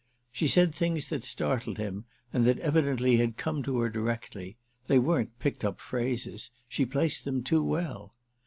She said things that startled him and that evidently had come to her directly; they weren't picked up phrases—she placed them too well.